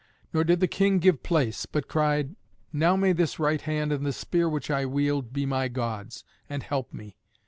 Nor did the king give place, but cried, "Now may this right hand and the spear which I wield be my gods, and help me."